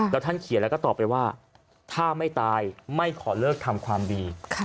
แล้วท่านเขียนแล้วก็ตอบไปว่าถ้าไม่ตายไม่ขอเลิกทำความดี